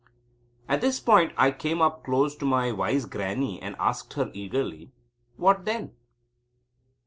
At this point I came up close to my wise Grannie and asked her eagerly: "What then?"